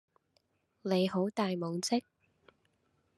你好大懵即